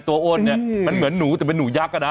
ตัวอ้นมันเหมือนหนูแต่เป็นหนูยักษ์นะ